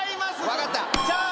分かった。